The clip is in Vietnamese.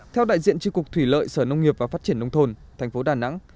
theo đại diện tri cục thủy lợi sở nông nghiệp và phát triển nông thôn thành phố đà nẵng